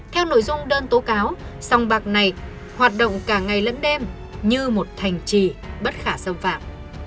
theo nội dung đơn tố cáo song bạc này hoạt động cả ngày lẫn đêm như một thành trì bất khả xâm phạm